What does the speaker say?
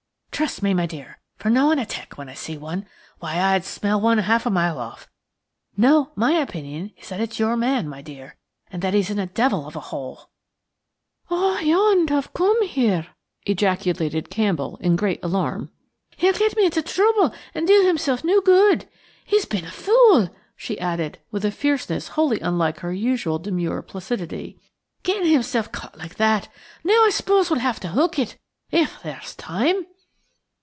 "Trust me, my dear, for knowing a 'tec when I see one! Why, I'd smell one half a mile off. No; my opinion is that it's your man, my dear, and that he's in a devil of a hole." "Oh! he oughtn't to come here," ejaculated Campbell in great alarm. "He'll get me into trouble and do himself no good. He's been a fool!" she added, with a fierceness wholly unlike her usual demure placidity, "getting himself caught like that. Now I suppose we shall have to hook it–if there's time."